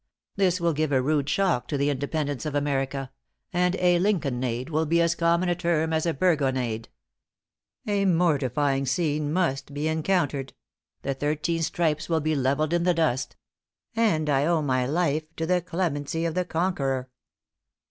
This will give a rude shock to the independence of America; and a Lincolnade will be as common a term as a Burgoynade.... A mortifying scene must be encountered; the thirteen stripes will be levelled in the dust; and I owe my life to the clemency of the conqueror."